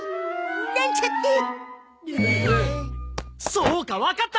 そうかわかった！